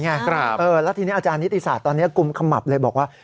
แล้วทีนี้อาจารย์นิติศาสตร์ตอนนี้กุมขมับเลยบอกว่า